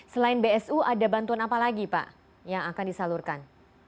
selain bsu ada bantuan apa lagi pak yang akan disalurkan